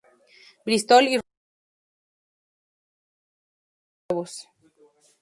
Bristol y Rhode Island llegaron a ser un centro de comercio de esclavos.